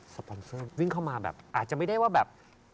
ปอนเซอร์วิ่งเข้ามาแบบอาจจะไม่ได้ว่าแบบ